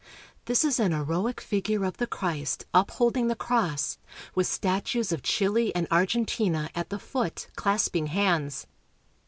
This is an heroic figure of the Christ uphold ing the Cross with statues of Chile and Argentina at the foot clasping hands.